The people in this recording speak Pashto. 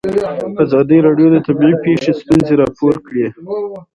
ازادي راډیو د طبیعي پېښې ستونزې راپور کړي.